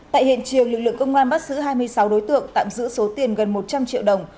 tại hiện trường lực lượng công an bắt giữ hai mươi sáu đối tượng tạm giữ số tiền gần một trăm linh triệu đồng